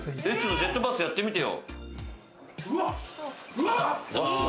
ジェットバスやってみてよ。